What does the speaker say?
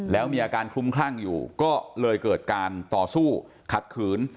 แล้วมีอาการคลุมคลั่งอยู่ก็เลยเกิดการต่อสู้ขัดขืน